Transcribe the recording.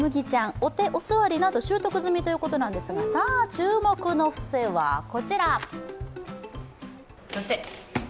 お手、お座りなど習得済みということですが、さあ、注目の伏せは、こちら。